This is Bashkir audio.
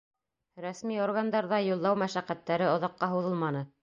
Рәсми органдарҙа юллау мәшәҡәттәре оҙаҡҡа һуҙылманы.